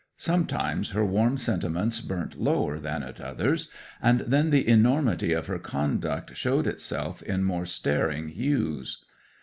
Sometimes her warm sentiments burnt lower than at others, and then the enormity of her conduct showed itself in more staring hues.